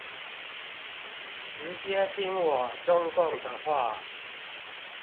直接聽我中共的話